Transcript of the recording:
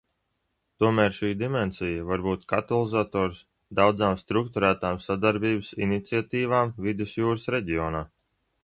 Tomēr šī dimensija var būt katalizators daudzām strukturētām sadarbības iniciatīvām Vidusjūras reģionā.